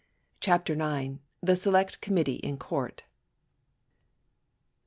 CHAPTER 9 The Select Committee in Court I.